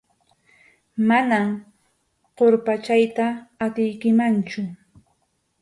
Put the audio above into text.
Manam qurpachayta atiykimanchu.